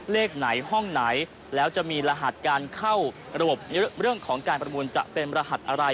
เลขไหนห้องไหนแล้วจะมีรหัสการเข้าระบบเรื่องของการประมูลจะเป็นรหัสอะไร